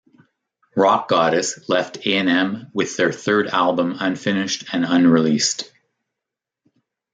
Rock Goddess left A and M with their third album unfinished and unreleased.